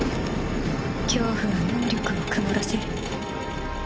恐怖は能力を曇らせる。